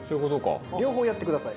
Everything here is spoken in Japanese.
両方やってください。